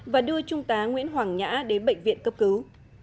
và đưa trung tá nguyễn hoàng nhã đến bệnh viện cấp cứu